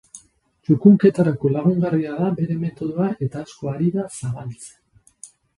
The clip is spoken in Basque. Txukunketarako lagungarria da bere metodoa eta asko ari da zabaltzen.